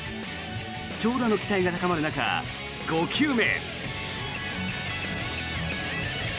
長打の期待が高まる中５球目。